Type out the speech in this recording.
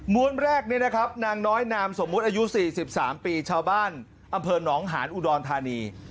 ้วนแรกนี่นะครับนางน้อยนามสมมุติอายุ๔๓ปีชาวบ้านอำเภอหนองหานอุดรธานี